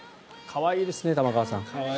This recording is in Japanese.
可愛いですね、玉川さん。